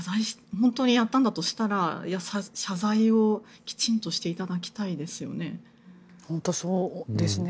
本当にやったんだとしたら謝罪を、きちんとしていただきたいですよね。